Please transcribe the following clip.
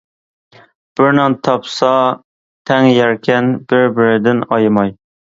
بىر نان تاپسا تەڭ يەركەن، بىر-بىرىدىن ئايىماي.